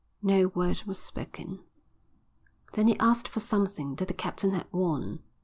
No word was spoken. Then he asked for something that the captain had worn.